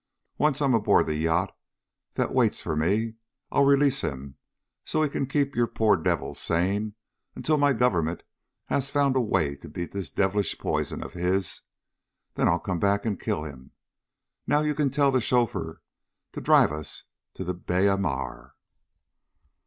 Once I'm on board the yacht that waits for me, I'll release him so he can keep you poor devils sane until my Government has found a way to beat this devilish poison of his. Then I'll come back and kill him. Now you can tell the chauffeur to drive us to the Biera Mar."